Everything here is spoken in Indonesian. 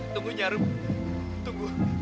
tunggu nyarum tunggu